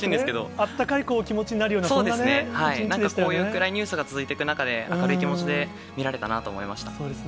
あったかい気持ちになるような、こういう暗いニュースが続く中で、明るい気持ちで見られたなと思いました。